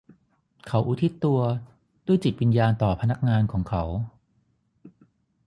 เขาอุทิศตัวด้วยจิตวิญญาณต่อพนักงานของเขา